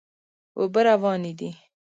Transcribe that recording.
اوبه روانې دي.